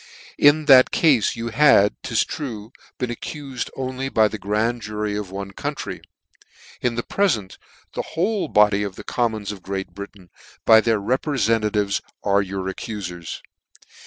In that cafe you had ('tis true) been accufed only by the grand jury of one county ; in the prefent, the whole body of the commons of Great Britain, by their reprefentatives, are your accuiers.